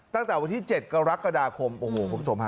ตั้งแต่วันที่๗กรกฎาคมโอ้โหคุณผู้ชมฮะ